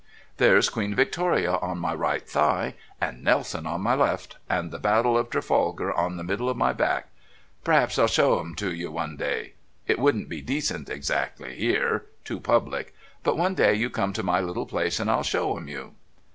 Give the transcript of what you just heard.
"There's Queen Victoria on my right thigh and Nelson on my left, and the battle of Trafalgar on the middle of my back. P'raps I'll show 'em you one day. It wouldn't be decent exactly 'ere too public. But one day you come to my little place and I'll show 'em you."